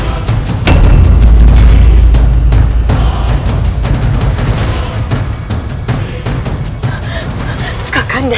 aku akan melakukannya